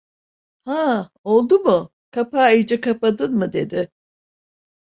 Ha? Oldu mu? Kapağı iyice kapadın mı? dedi.